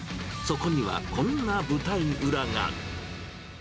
そこにはこんな舞台裏が。